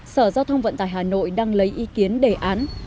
sở giao thông vận tải hà nội đang lấy ý kiến đề án